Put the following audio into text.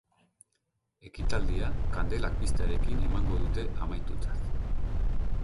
Ekitaldia, kandelak piztearekin emango dute amaitutzat.